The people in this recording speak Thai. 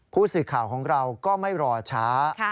ผู้สื่อข่าวของเราก็ไม่รอช้า